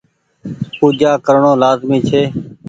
پوجآ ڪرڻو لآزمي ڇي۔